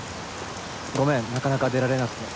ごめんなかなか出られなくて。